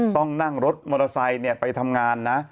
ต้องนั่งรถมอเตอร์ไซค์ไปทำงานนะ